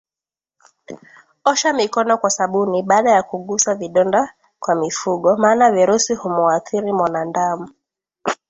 Osha mikono kwa sabuni baada ya kugusa vidonda kwa mifugo maana virusi humuathiri mwanandamu